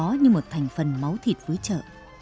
đó như một thành phần máu thịt với chợ